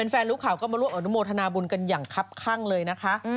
แฟนรู้ข่าวก็มาร่วมอนุโมทนาบุญกันอย่างคับข้างเลยนะคะ